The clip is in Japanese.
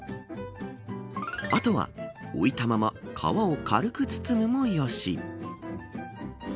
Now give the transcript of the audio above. あとは置いたまま皮を軽く包むもよし。